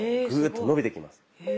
グーッと伸びてきます。